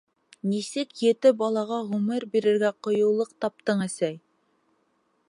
Нисек ете балаға ғүмер бирергә ҡыйыулыҡ таптың, әсәй?